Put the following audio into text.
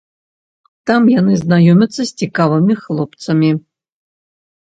Там яны знаёмяцца з цікавымі хлопцамі.